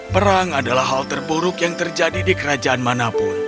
perang adalah hal terburuk yang terjadi di kerajaan manapun